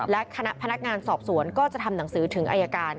และคณะพนักงานสอบสวนก็จะทำหนังสือถึงอายการ